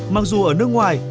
mặc dù ở nước ngoài